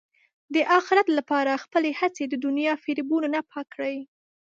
د اخرت لپاره خپلې هڅې د دنیا فریبونو نه پاک کړئ.